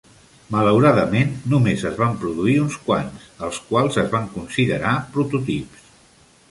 Malauradament, només es van produir uns quants, els quals es van considerar "prototips".